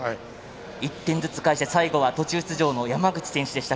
１点ずつ返して最後は途中出場の山口選手でした。